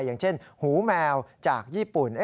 อย่างเช่นหูแมวจากญี่ปุ่น